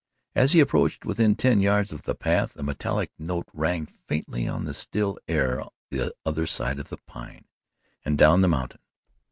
As he approached within ten yards of the path, a metallic note rang faintly on the still air the other side of the Pine and down the mountain.